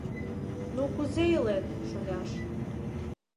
— Ну кузе илет, шоляш.